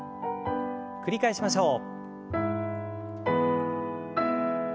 繰り返しましょう。